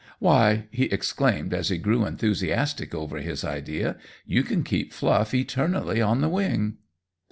Why!" he exclaimed, as he grew enthusiastic over his idea, "you can keep Fluff eternally on the wing!"